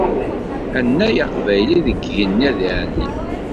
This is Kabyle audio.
Anay aqbayli deg yigenni ad iɛelli.